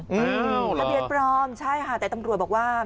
ทะเบียนปลอมใช่ค่ะแต่ตำรวจบอกว่า